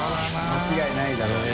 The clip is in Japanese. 間違いないだろうね。